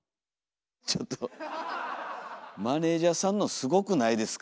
ちょっとマネージャーさんのすごくないですか？